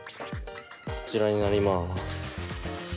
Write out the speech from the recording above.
こちらになります。